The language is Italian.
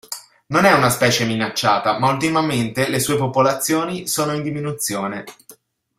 Non è una specie minacciata, ma ultimamente le sue popolazioni sono in diminuzione.